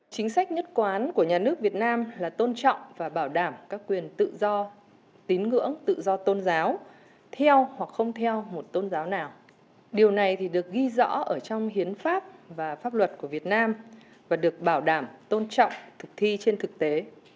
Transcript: chính sách nhất quán của nhà nước việt nam là tôn trọng và bảo đảm các quyền tự do tín ngưỡng tự do tôn giáo theo hoặc không theo một tôn giáo nào điều này được ghi rõ ở trong hiến pháp và pháp luật của việt nam và được bảo đảm tôn trọng thực thi trên thực tế